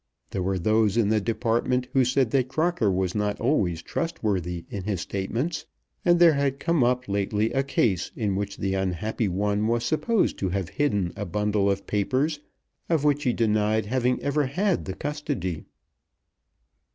There were those in the Department who said that Crocker was not always trustworthy in his statements, and there had come up lately a case in which the unhappy one was supposed to have hidden a bundle of papers of which he denied having ever had the custody.